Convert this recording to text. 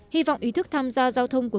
hy vọng ý thức tham gia giao thông của